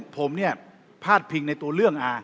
ผมเนี่ยพาดพิงในตัวเรื่อง